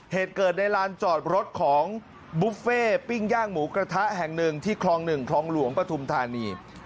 เหตุเกิดในลานจอดรถของบุฟเฟ่ปิ้งย่างหมูกระทะแห่งหนึ่งที่คลอง๑คลองหลวงปฐุมธานี